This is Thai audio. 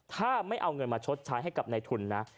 ถ้าไม่เอาเงินมาชดใช้ให้กับในทุนนะ